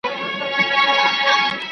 ¬ وروري به کوو، حساب تر منځ.